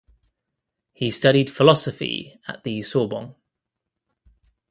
He studied philosophy at the Sorbonne.